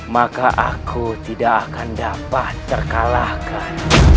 maka aku tidak akan dapat terkalahkan